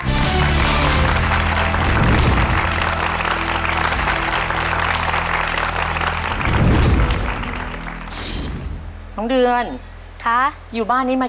ขอเชิญแสงเดือนมาต่อชีวิตเป็นคนต่อไปครับ